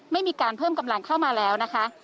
ไม่มีการเพิ่มกำลังเข้ามาแล้วนะคะ